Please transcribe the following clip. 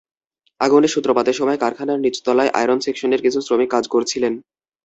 আগুনের সূত্রপাতের সময় কারখানার নিচতলায় আয়রন সেকশনের কিছু শ্রমিক কাজ করছিলেন।